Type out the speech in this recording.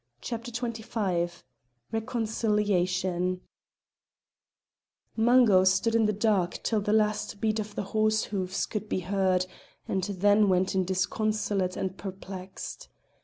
CHAPTER XXV RECONCILIATION Mungo stood in the dark till the last beat of the horse hoofs could be heard, and then went in disconsolate and perplexed.